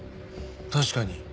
確かに。